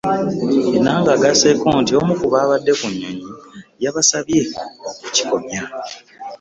Enanga agasseeko nti omu ku baadde ku nnyonyi yabasabye okukikomya